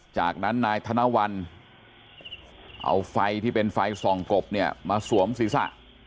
จากนั้นนายธนวัลเอาไฟที่เป็นไฟส่องกบเนี่ยมาสวมศีรษะ